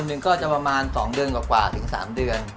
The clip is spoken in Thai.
หนึ่งก็จะประมาณ๒เดือนกว่าถึง๓เดือน